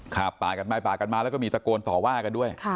ป่ากันไปปากกันมาแล้วก็มีตะโกนต่อว่ากันด้วย